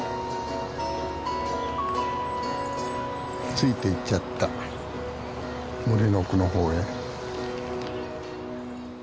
ついていっちゃった森の奥の方へ。